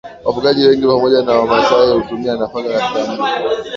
wafugaji wengi pamoja na Wamasai hutumia nafaka katika mlo